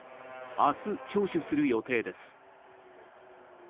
明日、聴取する予定です。